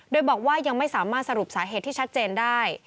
โดยบอกว่ายังไม่สามารถสรุปสาเหตุที่ชัดเจนได้